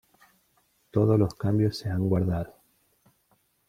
Todos los cambios se han guardado